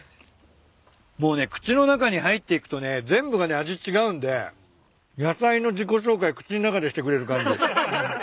もうね口の中に入っていくとね全部がね味違うんで野菜の自己紹介口の中でしてくれる感じ。